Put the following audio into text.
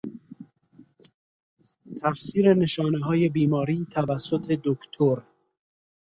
تفسیر نشانههای بیماری توسط دکتر